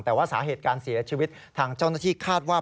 แต่ว่าสาเหตุการเสียชีวิตทางเจ้าหน้าที่คาดว่า